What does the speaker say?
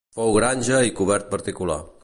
Fou granja i cobert particular.